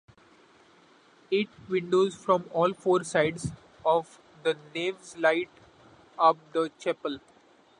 Eight windows from all four sides of the naves light up the chapel.